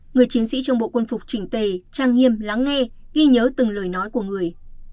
người chiến sĩ trong bộ quân phục trình tề trang nghiêm lắng nghe ghi nhớ từng lời nói của người